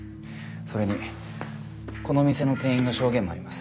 それにこの店の店員の証言もあります。